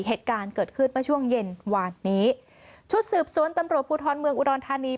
เหตุการณ์เกิดขึ้นเมื่อช่วงเย็นวานนี้ชุดสืบสวนตำรวจภูทรเมืองอุดรธานี